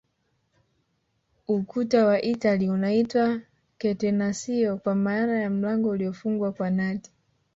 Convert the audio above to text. Ukuta wa Italia unaitwa Catenacio kwa maana ya mlango uliofungwa kwa nati